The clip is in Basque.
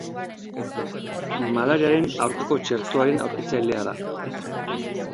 Malariaren aurkako txertoaren aurkitzailea da.